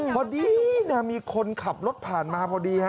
พอดีนะมีคนขับรถผ่านมาพอดีฮะ